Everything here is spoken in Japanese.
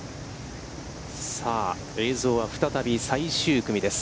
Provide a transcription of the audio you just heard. さあ、映像は再び最終組です。